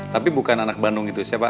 tapi bukan anak bandung itu siapa